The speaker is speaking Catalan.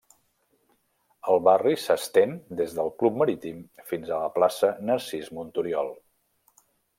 El barri s'estén des del club marítim fins a la plaça Narcís Monturiol.